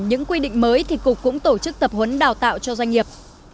những quy định mới thì cục cũng tổ chức tập huấn đào tạo cho doanh nghiệp